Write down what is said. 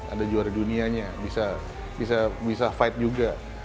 ada juara dunianya bisa fight juga